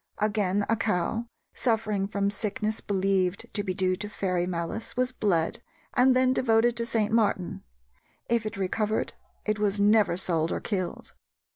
Again, a cow, suffering from sickness believed to be due to fairy malice, was bled and then devoted to St. Martin. If it recovered, it was never sold or killed.